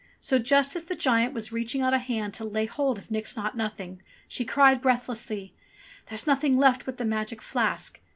So just as the giant was reaching out a hand to lay hold of Nix Naught Nothing she cried, breathlessly : "There's nothing left but the magic flask.